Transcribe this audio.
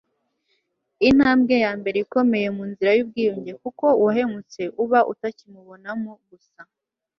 intambwe ya mbere ikomeye mu nzira y'ubwiyunge, kuko uwahemutse uba utakimubonamo gusa